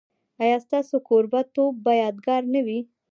ایا ستاسو کوربه توب به یادګار نه وي؟